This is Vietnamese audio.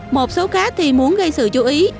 một số khác thì muốn gây sự chú ý